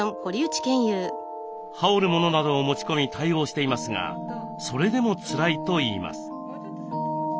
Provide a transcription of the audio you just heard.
羽織るものなどを持ち込み対応していますがそれでもつらいといいます。